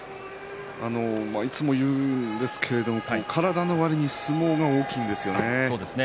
いつも言うんですけど体のわりに相撲が大きいんですよね。